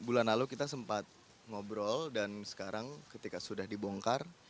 bulan lalu kita sempat ngobrol dan sekarang ketika sudah dibongkar